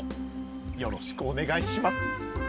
よろしくお願いします。